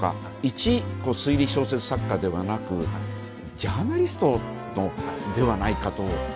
いち推理小説作家ではなくジャーナリストではないかと。